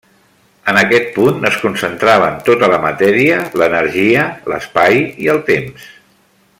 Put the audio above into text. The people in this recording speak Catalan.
En aquest punt es concentraven tota la matèria, l'energia, l'espai i el temps.